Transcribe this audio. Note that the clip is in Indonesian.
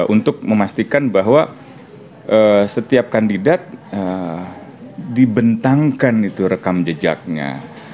untuk memastikan bahwa setiap kandidat dibentangkan itu rekam jejaknya